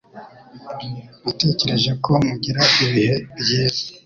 Natekereje ko mugira ibihe byiza.